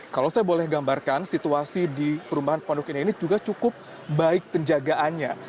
kalau saya boleh gambarkan situasi di perumahan pondok indah ini juga cukup baik penjagaannya